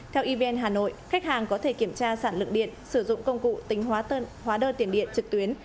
theo evn hà nội khách hàng có thể kiểm tra sản lượng điện sử dụng công cụ tính hóa đơn tiền điện trực tuyến